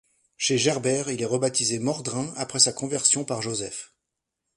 Chez Gerbert, il est rebaptisé Mordrain après sa conversion par Joseph.